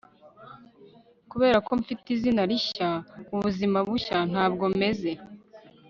kuberako mfite izina rishya, ubuzima bushya, ntabwo meze